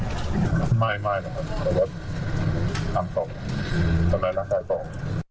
ไม่นะครับเขาก็ตามตอบตอนแรกตามตอบ